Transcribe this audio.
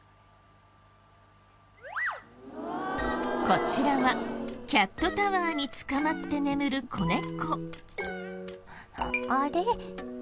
こちらはキャットタワーにつかまって眠る子猫。